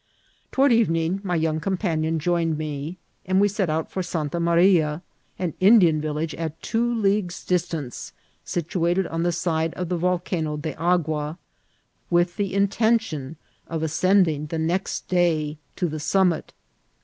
Toward evening my young companion joined me, and we set out for Santa Maria, an Indian village at two leagues' distance, situated on the side of the Vol cano de Agua, with the intention of ascending the next day to the summit.